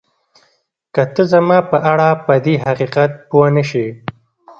که ته زما په اړه پدې حقیقت پوه نه شې